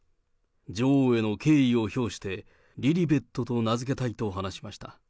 女王への敬意を表してリリベットと名付けたいと話しました。